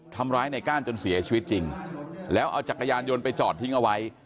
ทำร้ายในก้านจนเสียชีวิตจริงแล้วเอาจักรยานยนต์ไปจอดทิ้งเอาไว้